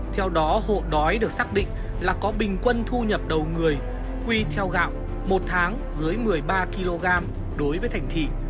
theo đó hộ đói được xác định là có bình quân thu nhập đầu người quy theo gạo một tháng dưới một mươi ba kg đối với thành thị